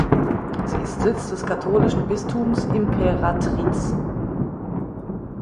Sie ist Sitz des katholischen Bistums Imperatriz.